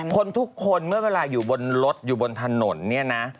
คนทุกคนเมื่อเวลาอยู่บนรถอยู่บนถนนเนี่ยนะ